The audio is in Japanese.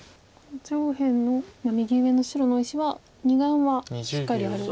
上辺の右上の白の大石は２眼はしっかりある。